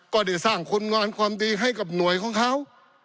ก็ได้สร้างคุณงามความดีให้กับหน่วยของเขา